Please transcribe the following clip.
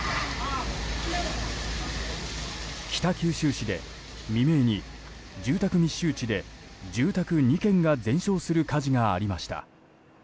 北九州市で未明に住宅密集地で住宅２軒が全焼する火事がありました。